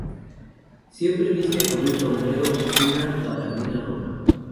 Siempre viste con un sombrero y una gabardina roja.